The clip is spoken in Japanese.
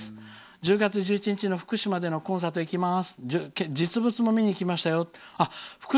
１０月１１日に福島でのコンサート行きます。